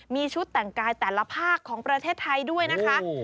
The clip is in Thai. มีชุดแต่งกายแต่ละภาคของประเทศไทยด้วยนะคะ